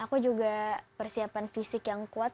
aku juga persiapan fisik yang kuat